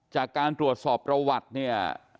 จากการตรวจสอบประวัติเนี่ย